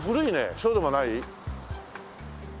そうでもない？